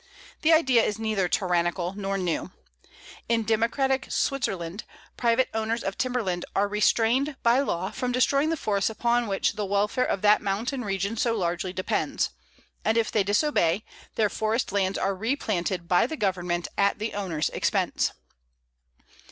The idea is neither tyrannical nor new. In democratic Switzerland, private owners of timberland are restrained by law from destroying the forests upon which the welfare of that mountain region so largely depends, and if they disobey, their forest lands are replanted by the Government at the owners' expense.